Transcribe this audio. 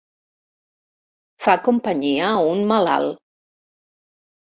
Fa companyia a un malalt.